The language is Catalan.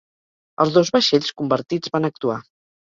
Els dos vaixells convertits van actuar.